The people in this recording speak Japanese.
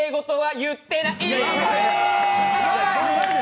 言ってない。